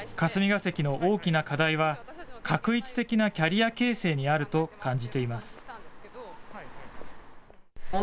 霞が関の大きな課題は、画一的なキャリア形成にあると感じています。